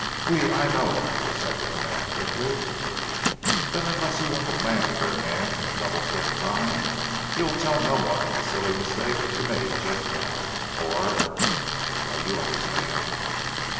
"Oui, I know," assented the man quickly. "Then unless you want to land in their hands in double quick time you'll tell no one of the silly mistake you made just now, or well you understand."